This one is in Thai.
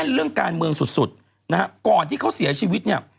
เรื่องการเมืองสุดสุดนะฮะก่อนที่เขาเสียชีวิตเนี่ย